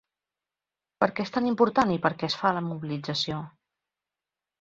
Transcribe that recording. Per què és tan important i per què es fa la mobilització?